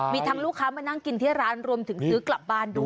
มีทั้งลูกค้ามานั่งกินที่ร้านรวมถึงซื้อกลับบ้านด้วย